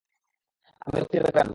আমি রক্ষীদের বের করে আনব।